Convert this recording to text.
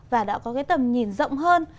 và đã có cái tầm nhìn rộng hơn